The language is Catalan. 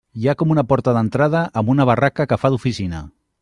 Hi ha com una porta d'entrada amb una barraca que fa d'oficina.